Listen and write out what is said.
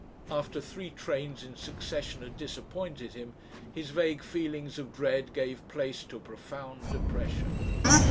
After three trains in succession had disappointed him his vague feelings of dread gave place to a profound depression....